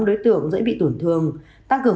đối tượng dễ bị tổn thương tăng cường